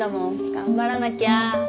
頑張らなきゃ。